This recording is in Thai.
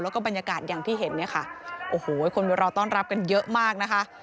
แล้วก็บรรยากาศอย่างที่เห็นเนี่ยค่ะโอ้โหคนไปรอต้อนรับกันเยอะมากนะคะ